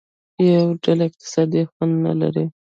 یوه ډله اقتصادي خوند نه لري.